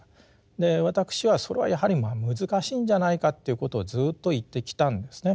私はそれはやはりまあ難しいんじゃないかということをずっと言ってきたんですね。